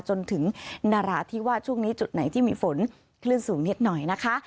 จนถึงนราธิวาสช่วงนี้จุดไหนที่มีฝนคลื่นสูงนิดหน่อยนะคะ